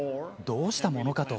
どうしたものかと。